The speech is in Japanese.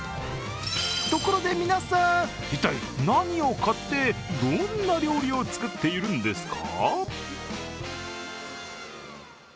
ところで皆さん、一体何を買って、どんな料理を作っているんですか？